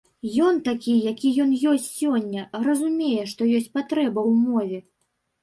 Ён такі, які ён ёсць сёння, разумее, што ёсць патрэба ў мове.